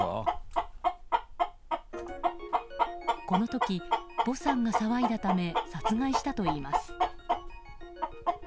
この時、ヴォさんが騒いだため殺害したといいます。